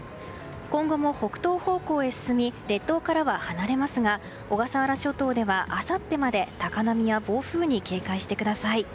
今後も北東方向に進み列島からは離れますが小笠原諸島ではあさってまで高波や暴風に警戒してください。